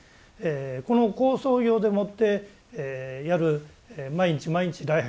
この好相行でもってやる毎日毎日礼拝をする。